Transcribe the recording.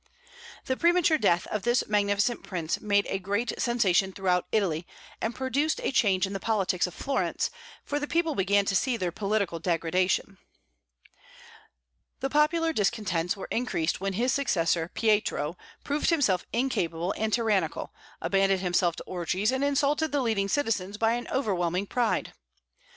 The premature death of this magnificent prince made a great sensation throughout Italy, and produced a change in the politics of Florence, for the people began to see their political degradation. The popular discontents were increased when his successor, Pietro, proved himself incapable and tyrannical, abandoned himself to orgies, and insulted the leading citizens by an overwhelming pride.